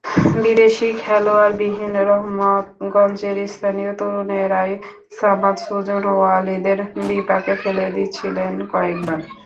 বিদেশি খেলোয়াড়বিহীন রহমতগঞ্জের স্থানীয় তরুণেরাই সামাদ, সুজন, ওয়ালিদের বিপাকে ফেলে দিচ্ছিলেন কয়েকবার।